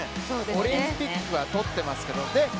オリンピックはとっていますけれども。